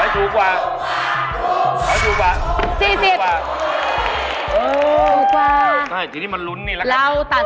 ถูกกว่า